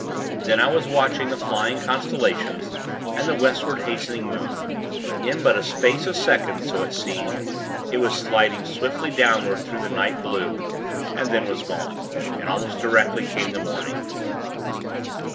Then I was watching the flying constellations, and the Westward hastening moon. In but a space of seconds, so it seemed, it was sliding swiftly downward through the night blue, and then was gone. And, almost directly, came the morning.